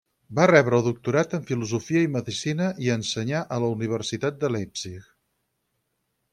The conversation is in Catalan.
Va rebre el doctorat en filosofia i medecina i ensenyà a la Universitat de Leipzig.